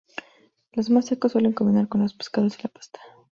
Los más secos suelen combinar con los pescados y la pasta.